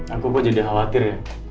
aku kok jadi khawatir ya